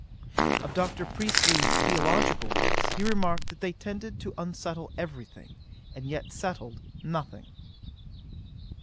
'Of Dr. Priestley's theological works, he remarked, that they tended to unsettle every thing, and yet settled nothing.